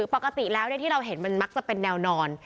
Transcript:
ปกติแล้วที่เราเห็นมันมักจะเป็นแนวนอน